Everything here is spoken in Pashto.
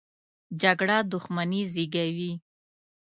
جګړه دښمني زېږوي